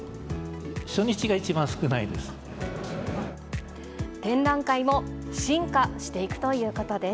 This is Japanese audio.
初日が一番少ないです。